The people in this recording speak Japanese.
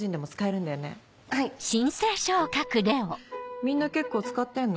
みんな結構使ってんの？